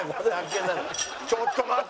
ちょっと待って！